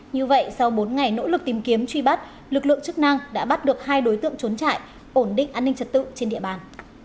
như vậy sau bốn ngày nỗ lực tìm kiếm truy bắt lực lượng chức năng đã bắt được hai đối tượng trốn trại ổn định an ninh trật tự trên địa bàn